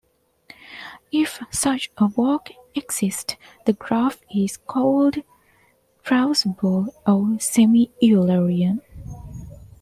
If such a walk exists, the graph is called traversable or semi-eulerian.